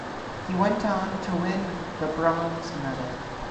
He went on to win the bronze medal.